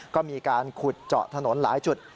ก็มีการขุดเจาะถนนหลายจุด